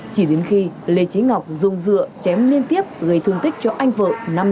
chỉ đến khi lê chí ngọc dùng rượu chém liên tiếp gây thương tích cho anh vợ năm mươi một